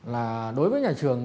là đối với nhà trường